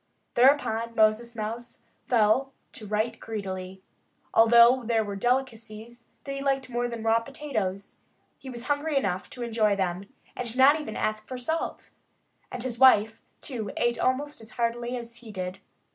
Thereupon Moses Mouse fell to right greedily. Although there were delicacies that he liked more than raw potatoes, he was hungry enough to enjoy them and not even ask for salt. And his wife, too, ate almost as heartily as he did.